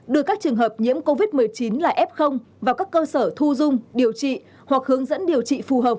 đưa các trường hợp nhiễm covid một mươi chín là f vào các cơ sở thu dung điều trị hoặc hướng dẫn điều trị phù hợp